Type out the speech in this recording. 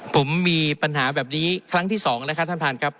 ผมมีปัญหาแบบนี้ครั้งที่๒นะคะท่านท่านครับ